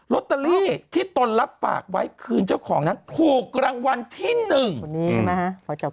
รอเตอรี่ที่ตนแล้วฝากไว้คืนเจ้าของนั้นผูกรางวัลที่หนึ่งตรงนี้นะฮะ